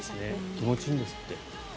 気持ちいんですって。